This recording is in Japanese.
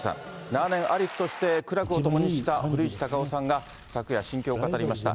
長年、アリスとして苦楽を共にした堀内孝雄さんが昨夜、心境を語りました。